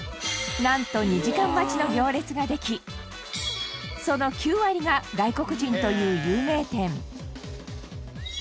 なんと２時間待ちの行列ができその９割が外国人という有名店。